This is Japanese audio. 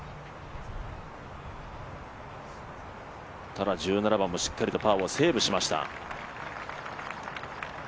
ただ１７番もしっかりパーをセーブしました。